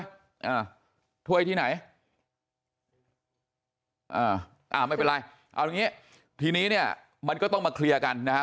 อ่าถ้วยที่ไหนอ่าอ่าไม่เป็นไรเอาอย่างงี้ทีนี้เนี้ยมันก็ต้องมาเคลียร์กันนะฮะ